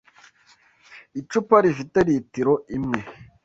Icupa rifite litiro imwe.